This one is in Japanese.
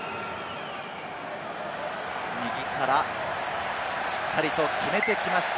右からしっかりと決めてきました。